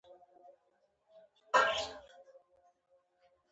نور فکر کوي چې دوی فکر خرابونکي یا بې علاقه دي.